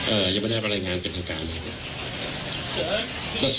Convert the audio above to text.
ยังไม่ได้รับรายงานเป็นทางการเลยครับ